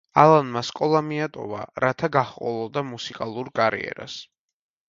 ალანმა სკოლა მიატოვა, რათა გაჰყოლოდა მუსიკალურ კარიერას.